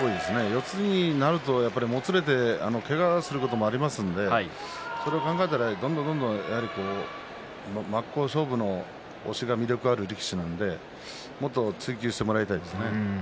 四つになるともつれてけがすることもありますのでそれを考えたらどんどん真っ向勝負の押しが魅力ある力士なのでもっと追求してもらいたいですね。